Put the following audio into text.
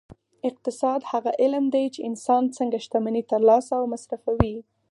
اقتصاد هغه علم دی چې انسان څنګه شتمني ترلاسه او مصرفوي